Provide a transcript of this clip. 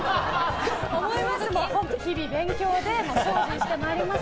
思いませんし、日々勉強で精進してまいります。